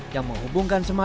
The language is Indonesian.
yang menghubungkan kereta api